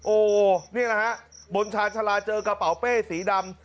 โอ้นี่แหละฮะบนชาญชาลาเจอกระเป๋าเป้สีดำ